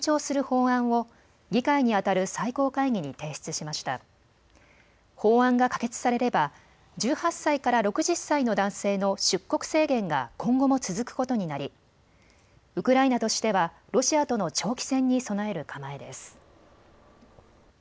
法案が可決されれば１８歳から６０歳の男性の出国制限が今後も続くことになり、ウクライナとしてはロシアとの長期戦に備える構えです。